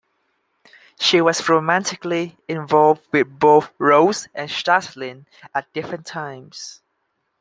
She was romantically involved with both Rose and Stradlin at different times.